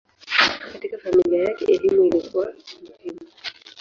Katika familia yake elimu ilikuwa muhimu.